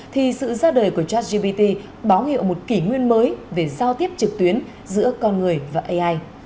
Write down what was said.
thì sự ra đời của chatgpt báo hiệu một kỷ nguyên mới về giao tiếp trực tuyến giữa con người và ai